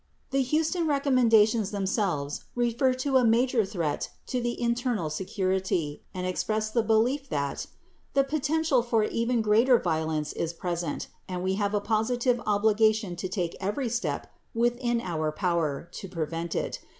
40 The Huston recommendations themselves refer to "a major threat to the internal security" 41 and express the belief that "the potential for even greater violence is present and we have a positive obligation to take every step within our power to prevent it